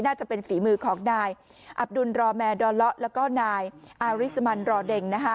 น่าจะเป็นฝีมือของนายอับดุลรอแมร์ดอเลาะแล้วก็นายอาริสมันรอเด็งนะคะ